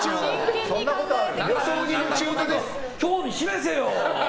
興味示せよ！